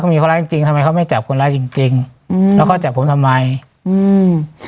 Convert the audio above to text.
มีคนร้ายจริงจริงทำไมเขาไม่จับคนร้ายจริงจริงอืมแล้วเขาจับผมทำไมอืม